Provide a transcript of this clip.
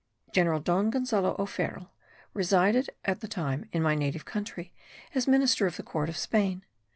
General Don Gonzalo O'Farrill resided at that time in my native country as minister of the court of Spain.